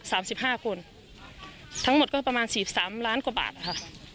สามสิบห้าคนทั้งหมดก็ประมาณสี่สามล้านกว่าบาทนะคะ